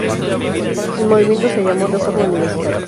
El movimiento se llamó Reforma Universitaria.